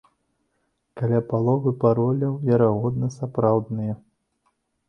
Каля паловы пароляў, верагодна, сапраўдныя.